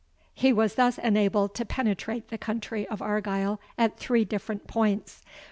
He was thus enabled to penetrate the country of Argyle at three different points.